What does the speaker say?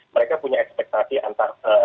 mereka punya ekspektasi antar